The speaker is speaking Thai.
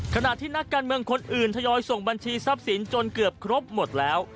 ขณะที่นักการเมืองคนอื่นทยอยส่งบัญชีทรัพย์สินจนเกือบครบหมดแล้ว